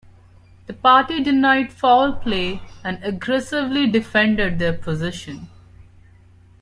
The party denied foul play and aggressively defended their position.